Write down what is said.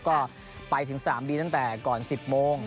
ก็ไปถึงสนามบินตั้งแต่ก่อน๑๐โมง